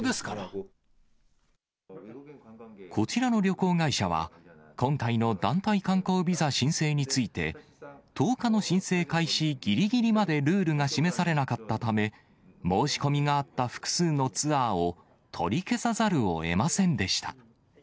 こちらの旅行会社は、今回の団体観光ビザ申請について、１０日の申請開始ぎりぎりまでルールが示されなかったため、申し込みがあった複数のツアーを取り消さざるをえませんでした。